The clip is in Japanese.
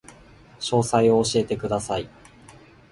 詳細を教えてください